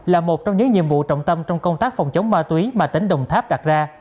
là một trong những nhiệm vụ trọng tâm trong công tác phòng chống ma túy mà tỉnh đồng tháp đặt ra